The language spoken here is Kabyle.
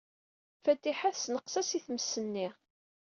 Fatiḥa tessenqes-as i tmes-nni.